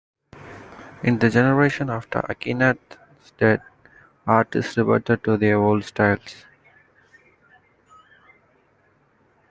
In the generation after Akhenaten's death, artists reverted to their old styles.